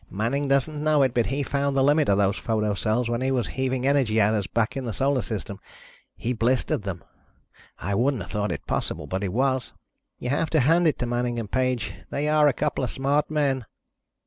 Manning doesn't know it, but he found the limit of those photo cells when he was heaving energy at us back in the Solar System. He blistered them. I wouldn't have thought it possible, but it was. You have to hand it to Manning and Page. They are a couple of smart men."